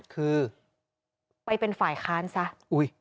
คือไปเป็นฝ่ายค้านซะ